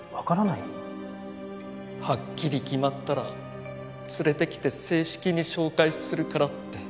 はっきり決まったら連れてきて正式に紹介するからって。